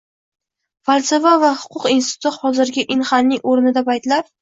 Falsafa va huquq instituti hozirgi Inxaning oʻrnida paytlar.